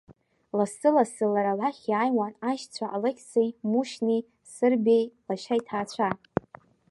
Лассы-лассы лара лахь иаауан аишьцәа Алықьсеи, мушьнии, Сырбеии лашьа иҭаацәа.